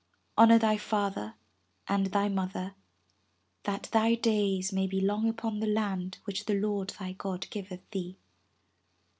Honor thy father and thy mother that thy days may be long upon the land which the Lord thy God giveth thee."